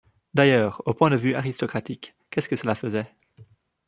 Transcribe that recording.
D’ailleurs, au point de vue aristocratique, qu’est-ce que cela faisait ?